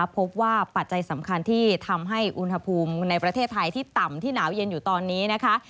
ปัจจัยสำคัญที่ทำให้อุณหภูมิในประเทศไทยที่ต่ำที่หนาวเย็นอยู่ตอนนี้นะคะ